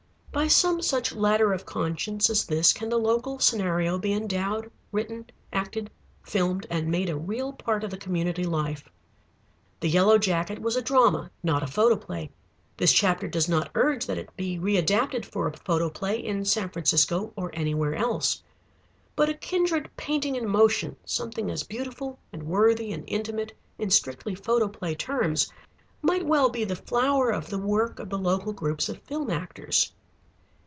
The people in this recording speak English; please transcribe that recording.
By some such ladder of conscience as this can the local scenario be endowed, written, acted, filmed, and made a real part of the community life. The Yellow Jacket was a drama, not a photoplay. This chapter does not urge that it be readapted for a photoplay in San Francisco or anywhere else. But a kindred painting in motion, something as beautiful and worthy and intimate, in strictly photoplay terms, might well be the flower of the work of the local groups of film actors.